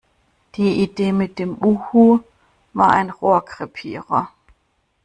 Die Idee mit dem Uhu war ein Rohrkrepierer.